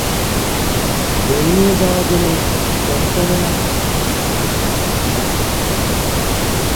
বই নিয়ে যাওয়া গেলে ফোন কেনো না?